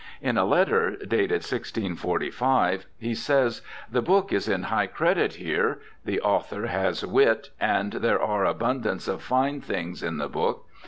In a letter, dated 1645, he says, 'the book is in high credit here; the author has wit, and there are abundance of fine things in the book.